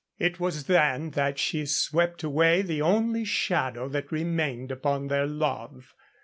It was then that she swept away the only shadow that remained upon their love.